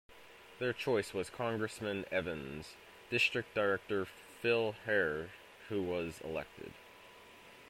Their choice was Congressman Evans' district director, Phil Hare, who was elected.